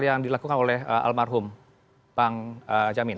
yang dilakukan oleh almarhum bang jamin